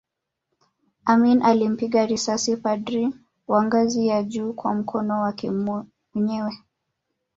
Amin alimpiga risasi padri wa ngazi ya juu kwa mkono wake mwenyewe